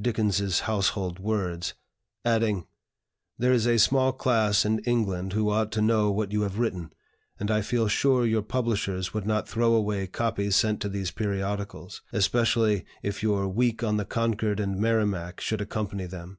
Dickens's Household Words," adding: "There is a small class in England who ought to know what you have written, and I feel sure your publishers would not throw away copies sent to these periodicals; especially if your 'Week on the Concord and Merrimac' could accompany them.